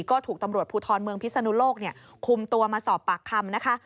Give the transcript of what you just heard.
ก็ถูกตำรวจภูทรเมืองพิศนุโลกคุมตัวมาสอบปากคำนะคะ